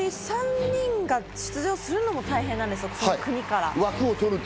３人が出場するのも大変なんですよ、１つの国から。